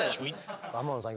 天野さん